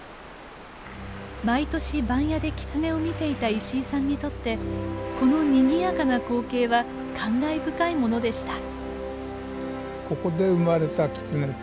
毎年番屋でキツネを見ていた石井さんにとってこのにぎやかな光景は感慨深いものでした。